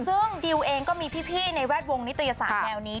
ซึ่งดิวเองก็มีพี่ในแวดวงนิตยสารแนวนี้